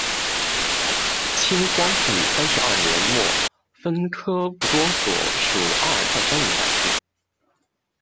清光绪三十二年末分科布多所属阿尔泰山一带置。